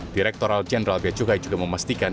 direktoral jenderal beacukai juga memastikan